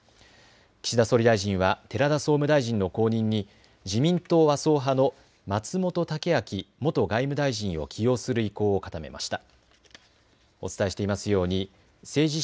岸田総理大臣は寺田総務大臣の後任に自民党麻生派の松本剛明元外務大臣を起用する意向を固めました。